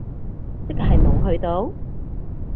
即係冇去到？